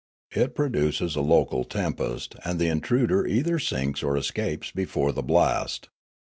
It pro duces a local tempest, and the intruder either sinks or escapes before the blast.